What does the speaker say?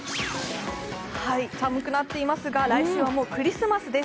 寒くなっていますが、来週はもうクリスマスです。